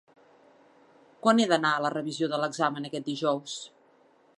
Quan he d'anar a la revisió de l'examen aquest dijous?